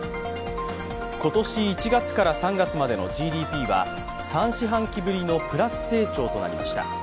今年１月から３月までのＧＤＰは３四半期ぶりのプラス成長となりました。